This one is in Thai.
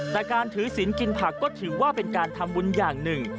แต่การถือศิลปกินผักก็ถือว่าเป็นการทำบุญอย่างหนึ่ง